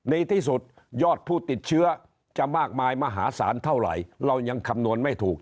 ดีที่สุดยอดผู้ติดเชื้อจะมากมายมหาศาลเท่าไหร่เรายังคำนวณไม่ถูก